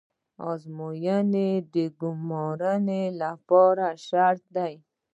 ازموینه د ګمارنې لپاره شرط ده